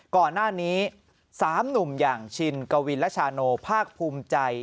ก่อนหน้านี้๓หนุ่มอย่างชินกวินและชาโนภาคภูมิใจ